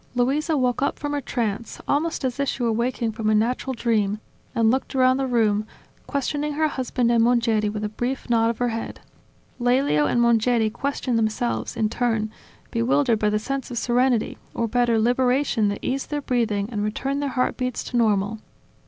Luisa woke up from her trance, almost as if she were waking from a natural dream, and looked around the room, questioning her husband and Mongeri with a brief nod of her head. Lelio and Mongeri questioned themselves, in turn, bewildered by the sense of serenity, or better liberation that eased their breathing and returned their heartbeats to normal.